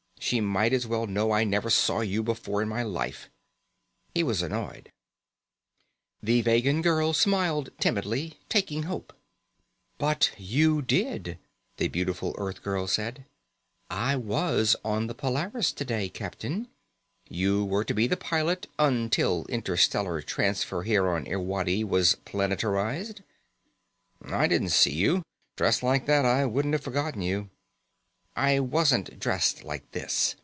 She might as well know I never saw you before in my life." He was annoyed. The Vegan girl smiled timidly, taking hope. "But you did," the beautiful Earthgirl said. "I was on the Polaris today, Captain. You were to be the pilot, until Interstellar Transfer here on Irwadi was planetarized." "I didn't see you. Dressed like that I wouldn't have forgotten you." "I wasn't dressed like this."